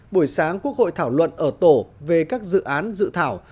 buổi sáng quốc hội thảo luận ở tổ về các dự án dự thảo